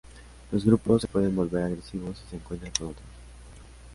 Los grupos se pueden volver agresivos si se encuentran con otros.